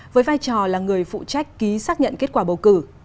với vai trò là người phụ trách ký xác nhận kết quả bầu cử